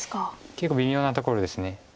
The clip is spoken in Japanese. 結構微妙なところです。